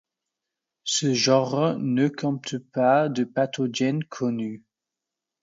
Ce genre ne compte pas de pathogène connu.